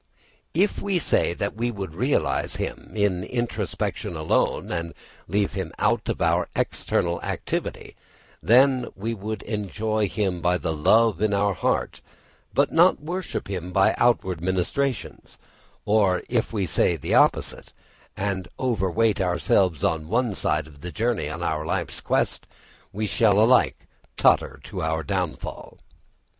] If we say that we would realise him in introspection alone and leave him out of our external activity, that we would enjoy him by the love in our heart, but not worship him by outward ministrations; or if we say the opposite, and overweight ourselves on one side in the journey of our life's quest, we shall alike totter to our downfall.